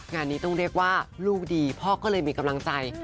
งานนี้ต้องเรียกว่าลูกดีพ่อก็เลยมีกำลังใจ